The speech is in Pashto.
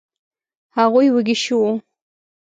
هغوی وږي شوو.